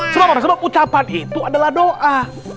sebab apa sebab ucapan itu adalah doa